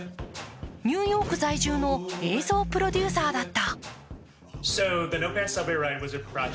ニューヨーク在住の映像プロデューサーだった。